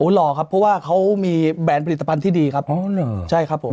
อ๋อหล่อครับเพราะว่าเขามีแบรนด์ผลิตปันที่ดีครับ